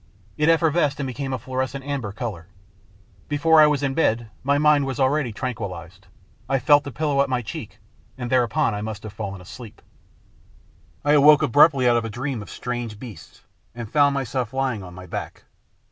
It effervesced, and became a fluorescent amber colour. Before I was in bed my mind was already tran quillised. I felt the pillow at my cheek, and there upon I must have fallen asleep. I awoke abruptly out of a dream of strange beasts, and found myself lying on my back.